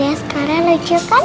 ini mascara lucu kan